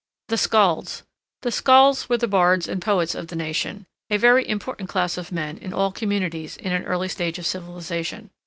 THE SKALDS The Skalds were the bards and poets of the nation, a very important class of men in all communities in an early stage of civilization.